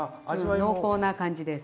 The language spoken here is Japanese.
濃厚な感じです。